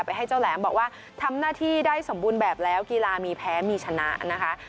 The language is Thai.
ให้เจ้าแหลมบอกว่าทำหน้าที่ได้สมบูรณ์แบบแล้วกีฬามีแพ้มีชนะนะคะ